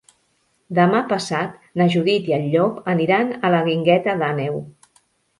Demà passat na Judit i en Llop aniran a la Guingueta d'Àneu.